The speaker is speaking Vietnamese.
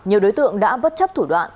nhiều đối tượng đã bất chấp thủ đoạn